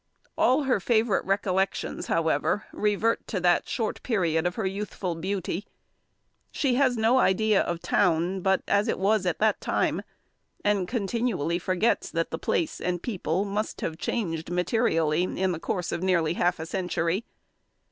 All her favourite recollections, however, revert to that short period of her youthful beauty. She has no idea of town but as it was at that time; and continually forgets that the place and people must have changed materially in the course of nearly half a century.